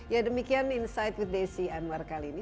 ya demikian insight with desi anwar kali ini